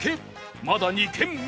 まだ２軒目